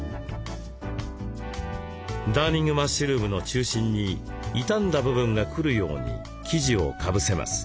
ダーニングマッシュルームの中心に傷んだ部分が来るように生地をかぶせます。